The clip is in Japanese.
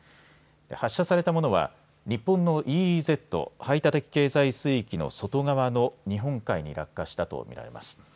発射されたものは日本のＥＥＺ・排他的経済水域の外側の日本海に落下したと見られます。